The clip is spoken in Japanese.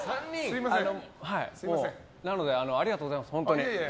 なので、ありがとうございます本当に。